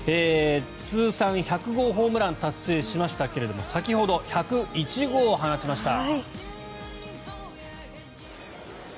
通算１００号ホームラン達成しましたけれども先ほど１０１号を放ちました。